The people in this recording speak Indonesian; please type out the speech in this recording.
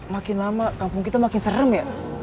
makin lama kampung kita makin serem ya